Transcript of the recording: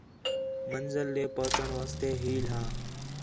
منزل ݙے پہچݨ واسطے ہیل ہا